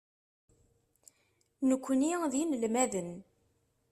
Nekkni d inelmaden.